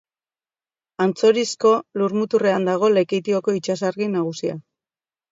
Antzorizko lurmuturrean dago Lekeitioko itsasargi nagusia.